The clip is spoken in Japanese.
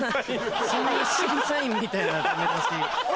そんな審査員みたいなダメ出し。